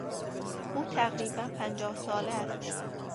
او تقریبا پنجاه ساله است.